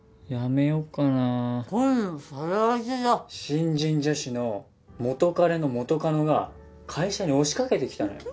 新人女子の元カレの元カノが会社に押しかけてきたのよ。